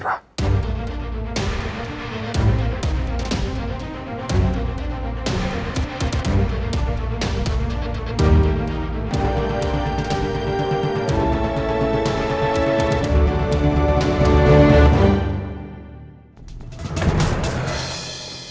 tidak ada yang bisa di cancel